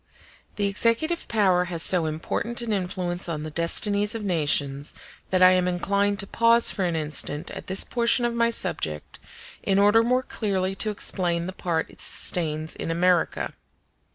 The executive power has so important an influence on the destinies of nations that I am inclined to pause for an instant at this portion of my subject, in order more clearly to explain the part it sustains in America.